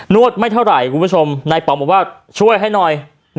วดไม่เท่าไหร่คุณผู้ชมนายป๋องบอกว่าช่วยให้หน่อย